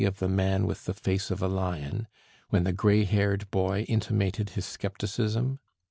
of the man with the face of a lion, when the gray haired boy intimated his skepticism?